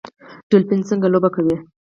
ډولفین څنګه لوبه کوي؟